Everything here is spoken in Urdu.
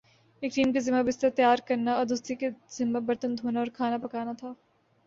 ایک ٹیم کے ذمہ بستر تیار کرنا اور دوسری کے ذمہ برتن دھونا اور کھانا پکانا تھا ۔